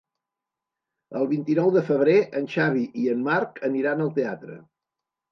El vint-i-nou de febrer en Xavi i en Marc aniran al teatre.